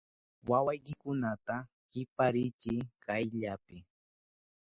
¡Wawaykikunata kiparichiy kayllapi!